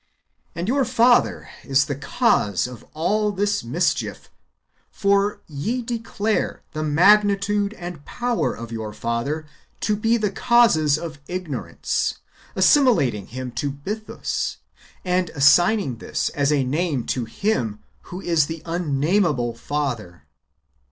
And your Father is the cause of all this mischief ; for ye declare the magnitude and power of your Father to be the causes of ignorance, assimilating •Him to Bytlius, and assigning this as a name to Him who is the unnameable Father.